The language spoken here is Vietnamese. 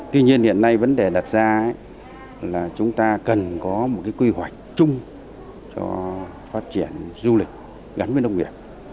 tuy nhiên hiện nay vấn đề đặt ra là chúng ta cần có một quy hoạch chung cho phát triển du lịch gắn với nông nghiệp